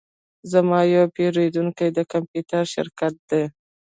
زما یو پیرودونکی د کمپیوټر شرکت دی